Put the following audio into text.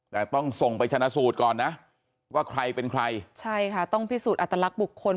แต่ต้องส่งไปชนะสูตรก่อนนะว่าใครเป็นใครใช่ค่ะต้องพิสูจนอัตลักษณ์บุคคล